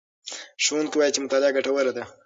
ښوونکی وایي چې مطالعه ګټوره ده.